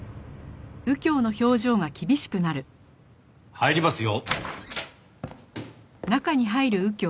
入りますよ！